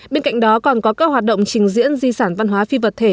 bên cạnh đó còn có các hoạt động trình diễn di sản văn hóa phi vật thể